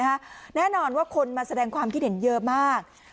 แน่นอนว่าคนมาแสดงความคิดเห็นเยอะมาก